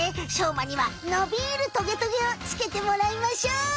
まにはのびるトゲトゲをつけてもらいましょう！